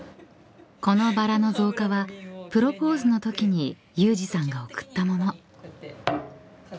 ［このバラの造花はプロポーズのときに有志さんが贈ったもの］